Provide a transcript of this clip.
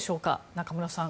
中室さん